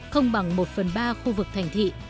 không bằng một phần ba khu vực thành thị